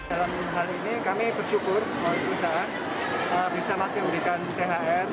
dalam hal ini kami bersyukur bahwa perusahaan bisa masih memberikan thr